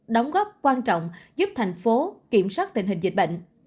đóng góp quan trọng giúp thành phố kiểm soát tình hình dịch bệnh